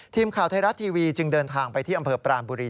ทีมข่าวไทยรัฐทีวีจึงเดินทางไปที่อำเภอปรานบุรี